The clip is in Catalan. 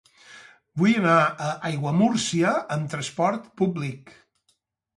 Vull anar a Aiguamúrcia amb trasport públic.